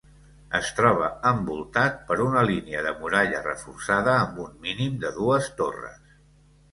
Es troba envoltat per una línia de muralla reforçada amb un mínim de dues torres.